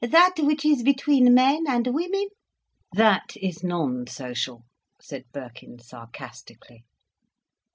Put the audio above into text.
"That which is between men and women—!" "That is non social," said Birkin, sarcastically.